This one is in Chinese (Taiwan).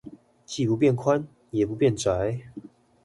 既不變寬，也不變窄？